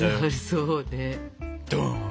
そうね。